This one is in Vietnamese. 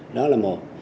đó là một